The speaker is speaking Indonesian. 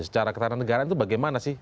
secara ketahanan negara itu bagaimana sih